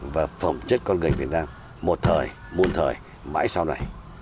và phẩm chất con người việt nam một thời muôn thời mãi sau này